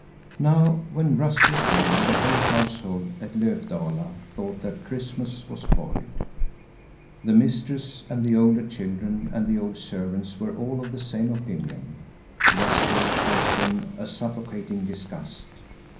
Now when Ruster came the whole household at Löfdala thought that Christmas was spoiled. The mistress and the older children and the old servants were all of the same opinion. Ruster caused them a suffocating disgust.